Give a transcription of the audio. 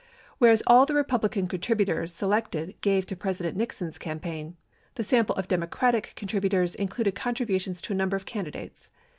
Whereas all the Republi can contributors selected gave to President Nixon's campaign, the sample of Democratic contributors included contributions to a number of candidates.